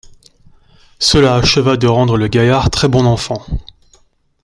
Cela acheva de rendre le gaillard très bon enfant.